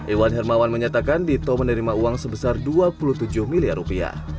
iwan hermawan menyatakan dito menerima uang sebesar dua puluh tujuh miliar rupiah